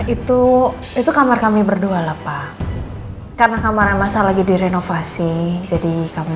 itu itu kamar kami berdua lah pak karena kamar masa lagi direnovasi jadi kami